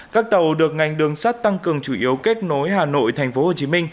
các tàu được ngành đường sắt tăng cường chủ yếu kết nối hà nội tp hcm